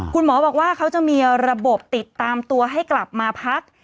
คุณหมอบอกว่าเขาจะมีระบบติดตามตัวให้กลับมาพัก